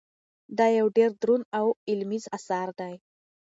دا یو ډېر دروند او علمي اثر دی.